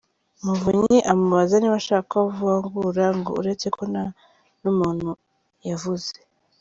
Muvunyi amubaza niba ashaka ko avangura, ngo uretse ko nta n’umuntu yavuze.